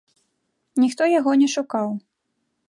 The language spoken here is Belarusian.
Ніхто яго не шукаў.